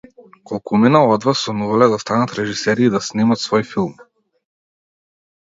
Колкумина од вас сонувале да станат режисери и да снимат свој филм?